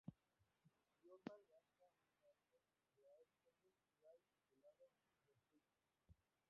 Jordan lanza un álbum de extended play titulado "The Fix".